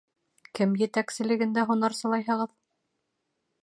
Кем етәкселегендә һунарсылайһығыҙ?